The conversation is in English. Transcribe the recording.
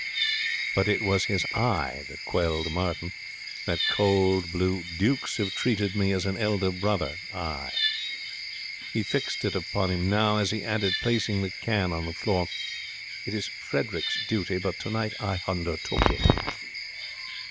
But it was his eye that quelled Martin. That cold, blue, dukes have treated me as an elder brother eye. He fixed it upon him now, as he added, placing the can on the floor. 'It is Frederick's duty, but tonight I hundertook it.'